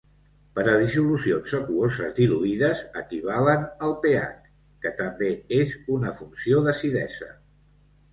Per a dissolucions aquoses diluïdes equivalen al pH, que també és una funció d'acidesa.